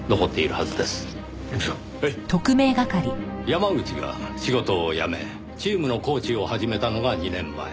山口が仕事を辞めチームのコーチを始めたのが２年前。